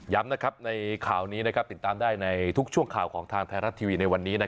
ในข่าวนี้ติดตามได้ในทุกช่วงข่าวของทางไทยรัฐทีวีในวันนี้